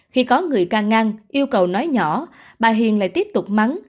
khi có người ca ngăn yêu cầu nói nhỏ bà hiền lại tiếp tục mắng